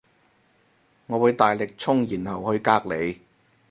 我會大力衝然後去隔籬